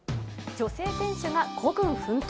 女性店主が孤軍奮闘。